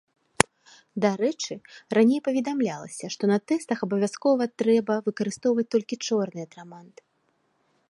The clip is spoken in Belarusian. Дарэчы, раней паведамлялася, што на тэстах абавязкова трэба выкарыстоўваць толькі чорны атрамант.